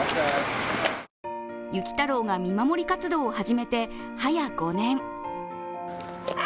雪太郎が見守り活動を始めて、はや５年。